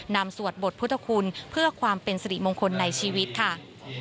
สวดบทพุทธคุณเพื่อความเป็นสิริมงคลในชีวิตค่ะ